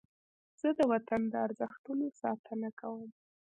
زه د وطن د ارزښتونو ساتنه کوم.